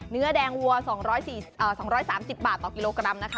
เนื้อแดงวัว๒๓๐บาทต่อกิโลกรัมนะคะ